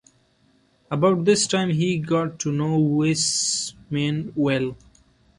About this time he got to know Wissmann well.